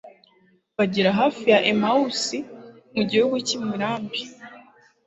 bagera hafi ya emawusi mu gihugu cy'imirambi